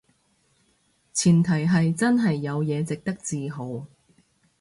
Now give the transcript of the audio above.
前提係真係有嘢值得自豪